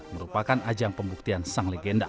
merupakan ajang pembuktian sang legenda